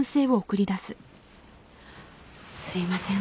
すいません